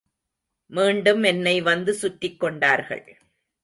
மீணடும் என்னை வந்து சுற்றிக் கொண்டார்கள்.